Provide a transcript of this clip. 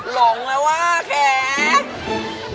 หลงแล้วว่าแขก